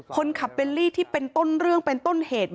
คนขับเบลลี่ที่เป็นต้นเรื่องเป็นต้นเหตุ